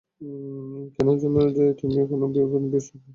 কে জানে তুমি কোন ধরণের বীভৎস দানবে পরিণত হবে?